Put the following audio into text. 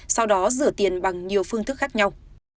sau đó rửa tiền bằng nhiều phương thức khác nhau